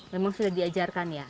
memang sudah diajarkan ya